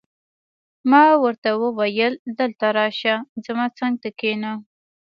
ما ورته وویل: دلته راشه، زما څنګ ته کښېنه.